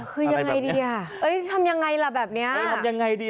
คือยังไงดีทำยังไงแบบนี้